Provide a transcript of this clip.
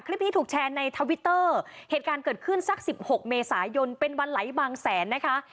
คลิปนี้ถูกแชร์ในทวิตเตอร์เหตุการณ์เกิดขึ้นสักสิบหกเมษายนเป็นวันไหลบางแสนนะคะ